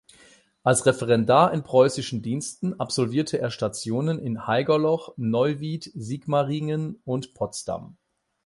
Als Referendar in preußischen Diensten absolvierte er Stationen in Haigerloch, Neuwied, Sigmaringen und Potsdam.